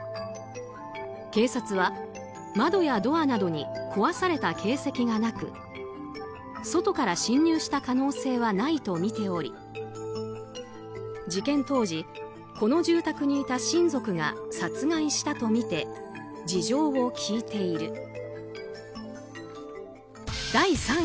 警察は窓やドアなどに壊された形跡がなく外から侵入した可能性はないとみており事件当時、この住宅にいた親族が殺害したとみて事情を聴いている。